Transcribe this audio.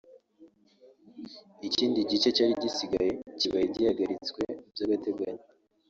ikindi gice cyari gisigaye kibaye gihagaritswe by’agateganyo